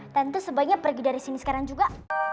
tentu sebaiknya pergi dari sini sekarang juga